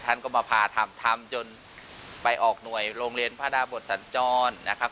ท่านก็มาพาทำทำจนไปออกหน่วยโรงเรียนพระดาบทสัญจรนะครับ